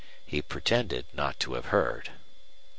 He pretended not to have heard.